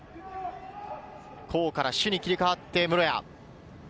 攻から守に切り替わって室屋。